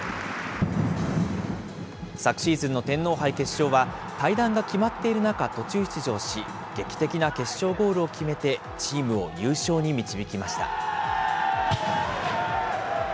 昨シーズンの天皇杯決勝は、退団が決まっている中、途中出場し、劇的な決勝ゴールを決めて、チームを優勝に導きました。